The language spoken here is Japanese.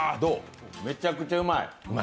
めちゃくちゃうまい。